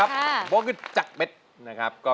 ร้องได้ร้องได้